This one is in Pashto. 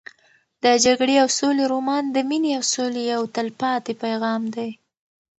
د جګړې او سولې رومان د مینې او سولې یو تلپاتې پیغام دی.